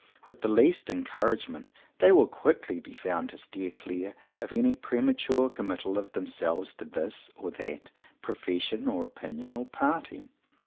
With the least encouragement they will quickly be found to steer clear of any premature committal of themselves to this or that profession or opinion or party.